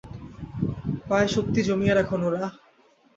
পায়ে শক্তি জমিয়ে রাখ, নোরাহ।